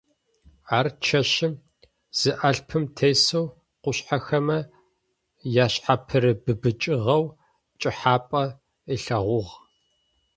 Ащ чэщым зы алпым тесэу къушъхьэхэмэ яшъхьапырыбыбыкӏыгъэу пкӏыхьапӏэ ылъэгъугъ.